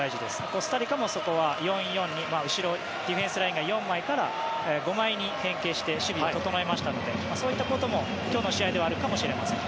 コスタリカもそこは４−４−２後ろ、ディフェンスラインが４枚から５枚に変形して守備を整えましたのでそういったことも今日の試合ではあるかもしれません。